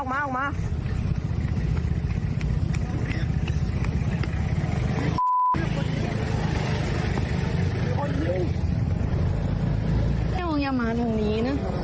พวกมันต้องกินกันพี่